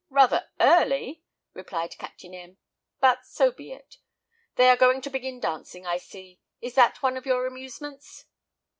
"Rather early," replied Captain M ; "but so be it. They are going to begin dancing, I see. Is that one of your amusements?"